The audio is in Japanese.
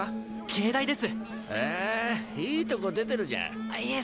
Ｋ大でへえいいとこ出てるじゃあっいえ